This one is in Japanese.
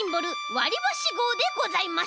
わりばしごうでございます。